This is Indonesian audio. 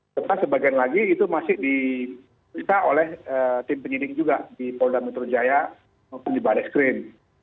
serta sebagian lagi itu masih diperlukan oleh tim penyidik juga di polda metro jaya mungkin di badek skrin